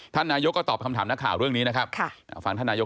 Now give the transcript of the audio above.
นายกก็ตอบคำถามนักข่าวเรื่องนี้นะครับฟังท่านนายก